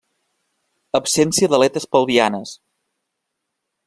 Absència d'aletes pelvianes.